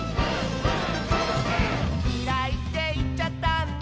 「きらいっていっちゃったんだ」